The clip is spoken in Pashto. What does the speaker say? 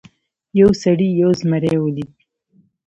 یو سړي یو زمری ولید.